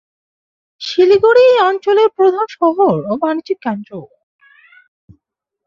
শিলিগুড়ি এই অঞ্চলের প্রধান শহর ও বাণিজ্য কেন্দ্র।